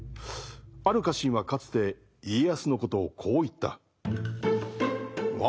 ある家臣はかつて家康のことをこう言った。